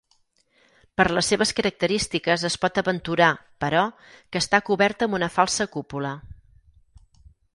Per les seves característiques es pot aventurar, però, que està coberta amb una falsa cúpula.